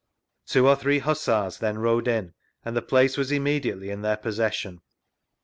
Two or three Hussars then rode in, and the |^ce was immediately in their possession.